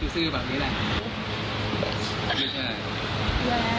ซื้อแบบนี้ได้